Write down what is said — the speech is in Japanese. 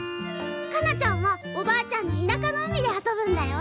かなちゃんはおばあちゃんの田舎の海で遊ぶんだよ。